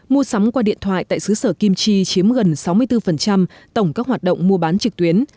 mua sắm qua điện thoại tại xứ sở kim chi chiếm gần sáu mươi bốn tổng các hoạt động mua bán trực tuyến